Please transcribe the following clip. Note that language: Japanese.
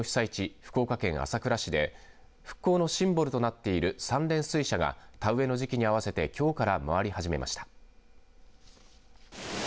福岡県朝倉市で復興のシンボルとなっている三連水車が田植えの時期に合わせてきょうから回り始めました。